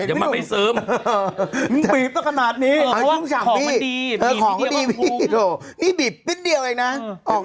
เดี๋ยวมันไอ้เสิร์ฟ